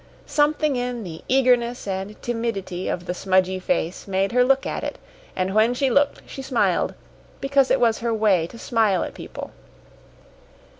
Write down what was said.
Something in the eagerness and timidity of the smudgy face made her look at it, and when she looked she smiled because it was her way to smile at people.